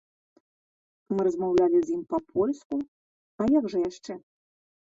Мы размаўлялі з ім па-польску, а як жа яшчэ?